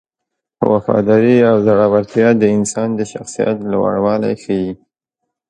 وفاداري او زړورتیا د انسان د شخصیت لوړوالی ښيي.